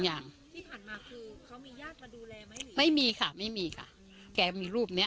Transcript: ที่ผ่านมาคือเค้ามีญาติมาดูแลไหมไม่มีค่ะไม่มีค่ะ